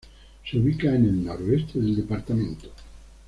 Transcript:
Se ubica en el noreste del departamento.